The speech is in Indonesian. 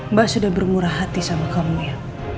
mbak sudah bermurah hati sama kamu ya